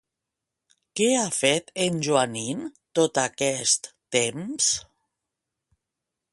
Què ha fet en Joanín tot aquest temps?